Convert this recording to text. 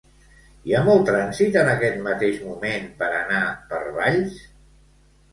Hi ha molt trànsit en aquest mateix moment per anar per Valls?